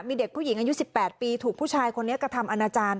มีเด็กผู้หญิงอายุ๑๘ปีถูกผู้ชายคนนี้กระทำอนาจารย์